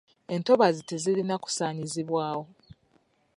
Entobazi tezirina kusaanyizibwawo.